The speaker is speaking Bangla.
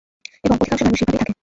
এবং অধিকাংশ মানুষ সেভাবেই থাকে।